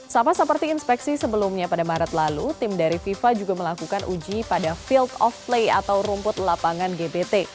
sama seperti inspeksi sebelumnya pada maret lalu tim dari fifa juga melakukan uji pada field of play atau rumput lapangan gbt